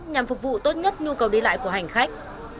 nhằm phục vụ tốt nhất nhu cầu đi lại của hành khách